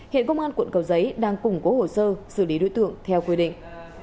hiện công an quận cầu giấy đang củng cố hồ sơ xử lý đối tượng theo quy định